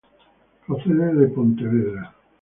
Procede de Pontevedra.